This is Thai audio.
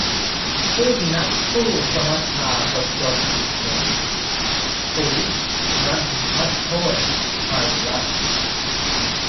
สิ้นนักสู้สมัชชาคนจนอีกหนึ่ง 'ปุ๋ย-นันทโชติ ชัยรัตน์'